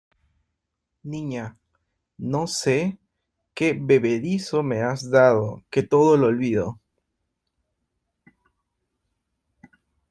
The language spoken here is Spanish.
niña, no sé qué bebedizo me has dado que todo lo olvido...